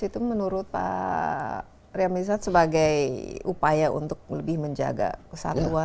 itu menurut pak riamizat sebagai upaya untuk lebih menjaga kesatuan